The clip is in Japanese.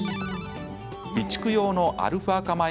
備蓄用のアルファ化